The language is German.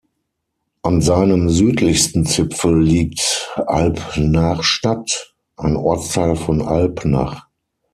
An seinem südlichsten Zipfel liegt Alpnachstad, ein Ortsteil von Alpnach.